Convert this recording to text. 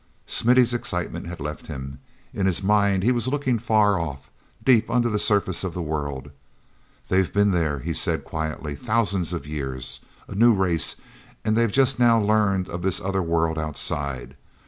mithy's excitement had left him. In his mind he was looking far off, deep under the surface of the world. "They've been there," he said quietly, "thousands of years. A new race—and they've just now learned of this other world outside.